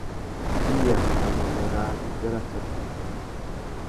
Iya na nguêndê râā, iffê râtsatu.